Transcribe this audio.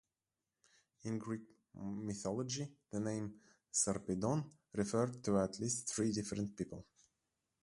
In Greek mythology, the name Sarpedon referred to at least three different people.